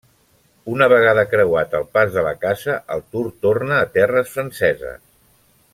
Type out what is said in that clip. Una vegada creuat el Pas de la Casa el Tour torna a terres franceses.